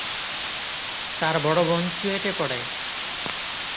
তার বড় বোন চুয়েটে পড়ে।